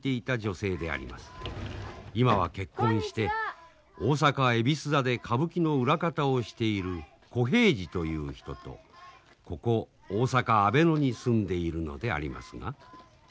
今は結婚して大阪恵比寿座で歌舞伎の裏方をしている小平次という人とここ大阪・阿倍野に住んでいるのでありますが。